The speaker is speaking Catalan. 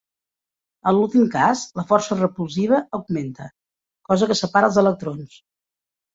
En l'últim cas, la força repulsiva augmenta, cosa que separa els electrons.